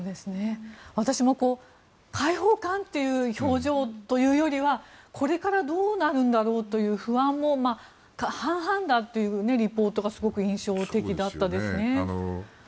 私も解放感という表情というよりはこれからどうなるんだろうという不安も半々だというリポートがすごく印象的でしたね。